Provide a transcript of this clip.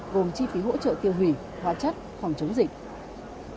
gồm chi phí hỗ trợ tiêu hủy hóa chất phòng chống dịch